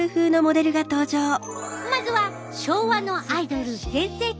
まずは昭和のアイドル全盛期